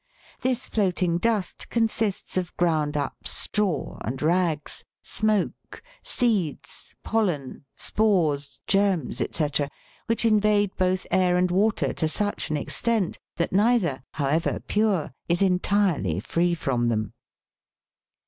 This floating dust consists of ground up straw and rags, smoke, seeds, pollen, spores, germs, &c., which invade both air and water to such an extent, that neither, however pure, is entirely free from them (Figs.